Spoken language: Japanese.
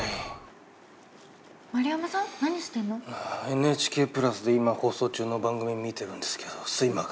ＮＨＫプラスで今放送中の番組を見てるんですけど睡魔が。